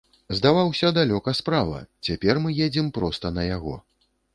Здаваўся далёка справа, цяпер мы едзем проста на яго.